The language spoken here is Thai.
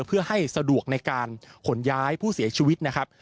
เพื่อให้สะดวกในการขนย้ายผู้เสียชีวิตนะครับ